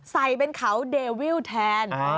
ใส่เป็นเขาเดวิลแทน